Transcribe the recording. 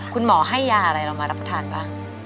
คุณหมอให้ยาอะไรเรามารับประทานบ้าง